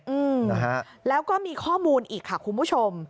อืมนะฮะแล้วก็มีข้อมูลอีกค่ะคุณผู้ชม